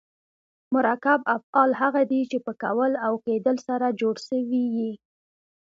مرکب افعال هغه دي، چي په کول او کېدل سره جوړ سوي یي.